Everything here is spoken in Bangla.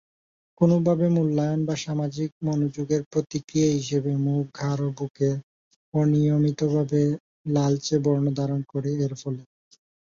কোনোভাবে মূল্যায়ন বা সামাজিক মনোযোগের প্রতিক্রিয়া হিসাবে মুখ, ঘাড় এবং বুকের অনিয়মিতভাবে লালচে বর্ণ ধারণ করে এর ফলে।